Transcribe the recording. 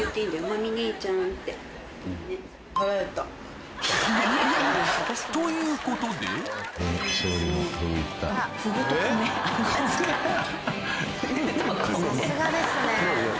「真実姉ちゃん」って。ということでさすがですね。